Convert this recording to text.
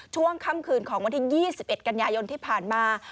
ช่วงค่ำคืนของวันที่๒๑กันยายนที่ผ่านมา